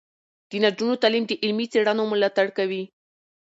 د نجونو تعلیم د علمي څیړنو ملاتړ کوي.